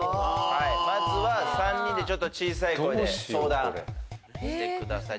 まずは３人で小さい声で相談してください。